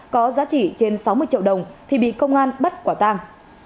có giá trị trên sáu mươi triệu đồng thì bị công an bắt quả tang